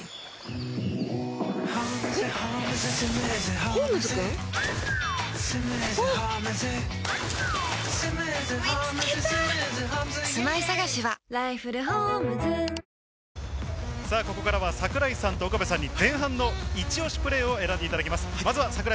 田中大貴選手がここからは桜井さんと岡部さんに前半のイチオシプレーを選んでいただきます。